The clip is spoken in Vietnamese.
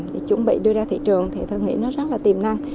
để chuẩn bị đưa ra thị trường thì tôi nghĩ nó rất là tiềm năng